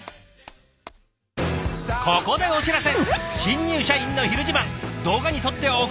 ここでお知らせ。